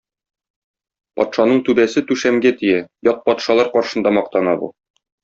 Патшаның түбәсе түшәмгә тия, ят патшалар каршында мактана бу.